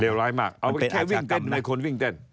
เอาแค่วิ่งเต้นไม่ควรวิ่งเต้น